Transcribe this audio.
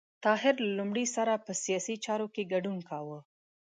طاهر له لومړي سره په سیاسي چارو کې ګډون کاوه.